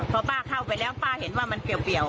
พอป้าเข้าไปแล้วป้าเห็นว่ามันเปรียว